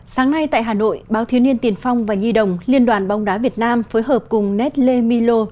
sáng nay tại hà nội báo thiếu niên tiền phong và nhi đồng liên đoàn bóng đá việt nam phối hợp cùng nesle milo